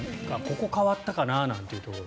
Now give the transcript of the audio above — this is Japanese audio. ここ、変わったなというところ。